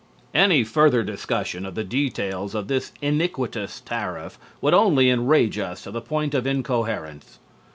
Any further discussion of the details of this iniquitous tariff would only enrage us to a point of incoherence.